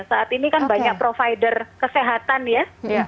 saat ini kan banyak provider kesehatan ya